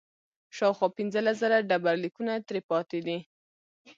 شاوخوا پنځلس زره ډبرلیکونه ترې پاتې دي.